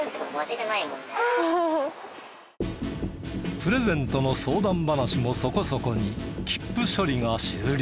プレゼントの相談話もそこそこに切符処理が終了。